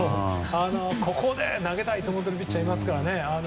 ここで投げたいと思っているピッチャーいますからね。